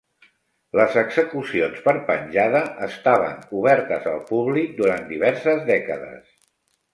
Les execucions per penjada estaven obertes al públic durant diverses dècades.